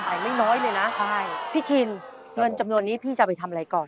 เหมือนจำนวนนี้พี่จะไปทำอะไรก่อน